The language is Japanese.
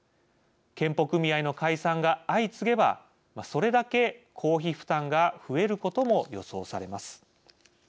健保組合の解散が相次げばそれだけ公費負担が増えることも予想されます。